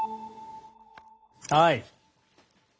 はい。